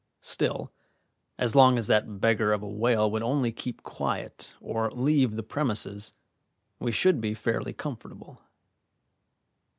Still, as long as that beggar of a whale would only keep quiet or leave the premises, we should be fairly comfortable.